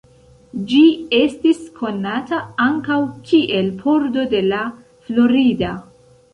Ĝi estis konata ankaŭ kiel pordo de La Florida.